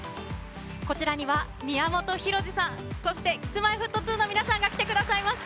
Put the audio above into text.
こちらには宮本浩次さん、そしてＫｉｓ−Ｍｙ−Ｆｔ２の皆さんが来てくださいました。